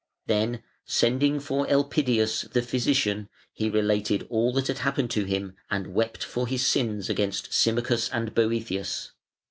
Then sending for Elpidius, the physician, he related all that had happened to him, and wept for his sins against Symmachus and Boëthius.